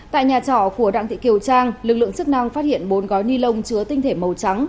tại nhà trọ của đặng thị kiều trang lực lượng chức năng phát hiện bốn gói ni lông chứa tinh thể màu trắng